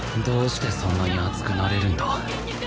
どうしてそんなに熱くなれるんだ？